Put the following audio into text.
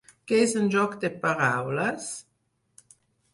Què és un joc de paraules?